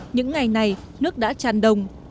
những ngày này nước đã chàn đồng